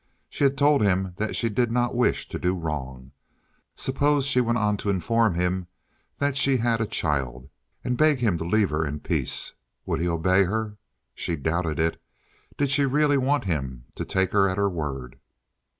She had told him that she did not wish to do wrong. Suppose she went on to inform him that she had a child, and beg him to leave her in peace. Would he obey her? She doubted it. Did she really want him to take her at her word?